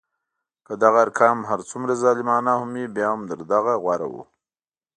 که دغه ارقام هر څومره ظالمانه هم وي بیا هم تر هغه غوره وو.